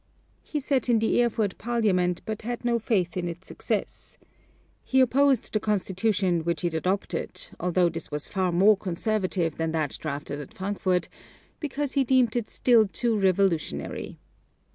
He sat in the Erfurt Parliament, but had no faith in its success. He opposed the constitution which it adopted, although this was far more conservative than that drafted at Frankfort, because he deemed it still too revolutionary.